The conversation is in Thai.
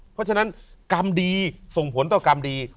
เพราะฉะนั้นกรรมดีส่งผลต่อกรรมดี